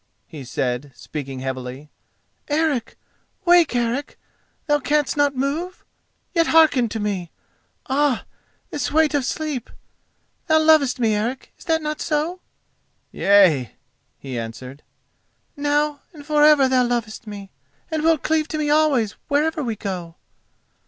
he said, speaking heavily. "Eric!—wake, Eric! Thou canst not move? Yet hearken to me—ah! this weight of sleep! Thou lovest me, Eric!—is it not so?" "Yea," he answered. "Now and for ever thou lovest me—and wilt cleave to me always wherever we go?"